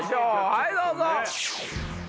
はいどうぞ！